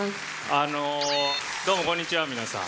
あのどうもこんにちは皆さん。